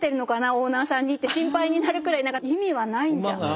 オーナーさんにって心配になるくらい意味はないんじゃないか。